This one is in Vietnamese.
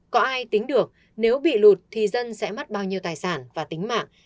có ai tính được nếu bị lụt thì dân sẽ mất bao nhiêu tài sản và tính mạng